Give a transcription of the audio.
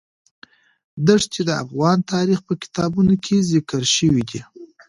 دښتې د افغان تاریخ په کتابونو کې ذکر شوی دي.